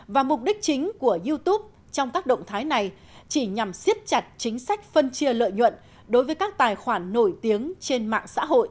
và mục đích chính của youtube trong các động thái này chỉ nhằm siết chặt chính sách phân chia lợi nhuận đối với các doanh nghiệp